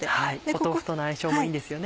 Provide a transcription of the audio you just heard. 豆腐との相性もいいんですよね。